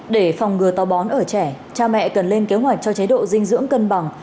để phòng ngừa tàu bón ở trẻ cha mẹ cần lên kế hoạch cho chế độ dinh dưỡng cân bằng